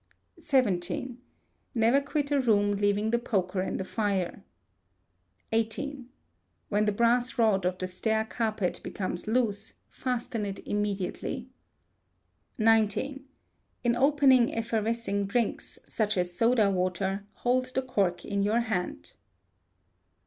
xvii. Never quit a room leaving the poker in the fire. xviii. When the brass rod of the stair carpet becomes loose, fasten it immediately. xix. In opening effervescing drinks, such as soda water, hold the cork in your hand.